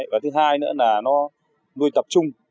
và thứ hai nữa là nó nuôi tập trung